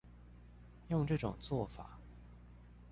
用這種作法